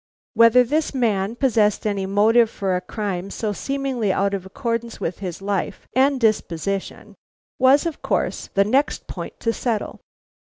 "Whether this man possessed any motive for a crime so seemingly out of accordance with his life and disposition was, of course, the next point to settle.